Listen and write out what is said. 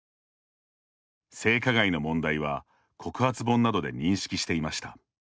性加害の問題は告発本などで認識していました。